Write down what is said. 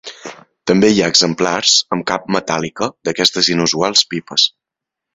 També hi ha exemplars amb cap metàl·lica d'aquestes inusuals pipes.